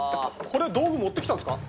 これ道具持ってきたんですか？